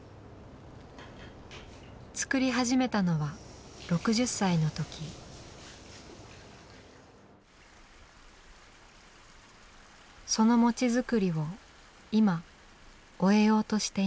作り始めたのは６０歳の時その餅作りを今終えようとしています